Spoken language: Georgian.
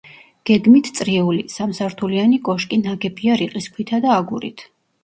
გეგმით წრიული, სამსართულიანი კოშკი ნაგებია რიყის ქვითა და აგურით.